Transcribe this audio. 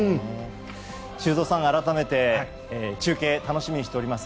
修造さん、改めて中継楽しみにしております。